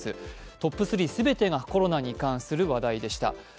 トップ３全てがコロナに関する話題でした。